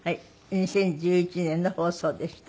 ２０１１年の放送でした。